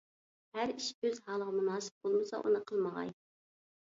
ھەر ئىش ئۆز ھالىغا مۇناسىپ بولمىسا، ئۇنى قىلمىغاي.